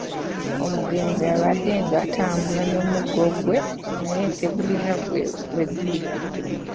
Omugenzi abaddenga atambula n’omuggo gwe naye tegulina we guli.